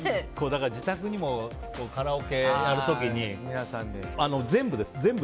自宅でカラオケやる時に全部です、全部。